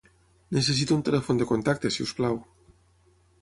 Necessito un telèfon de contacte, si us plau.